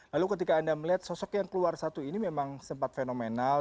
lalu ketika anda melihat sosok yang keluar satu ini memang sempat fenomenal